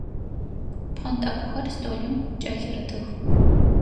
Пхъэнтӏэкӏухэр столым кӏэлъырытых.